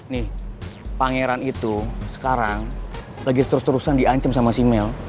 nih pangeran itu sekarang lagi terus terusan diancam sama simel